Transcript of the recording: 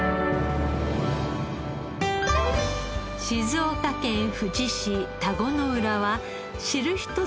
静岡県富士市田子の浦は知る人ぞ知るしらすの名産地。